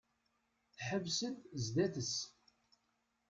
Teḥbes-d sdat-is.